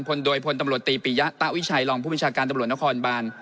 พลโดยพลตำรวจตีปิยะตะวิชัยรองผู้บัญชาการตำรวจนครบาน